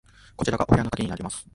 こちらがお部屋の鍵になります。